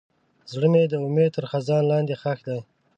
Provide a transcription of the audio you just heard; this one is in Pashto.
زړه مې د امید تر خزان لاندې ښخ دی.